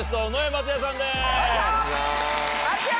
松也！